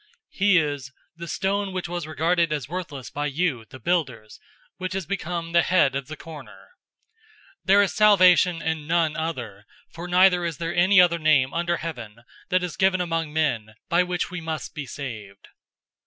004:011 He is 'the stone which was regarded as worthless by you, the builders, which has become the head of the corner.'{Psalm 118:22} 004:012 There is salvation in none other, for neither is there any other name under heaven, that is given among men, by which we must be saved!"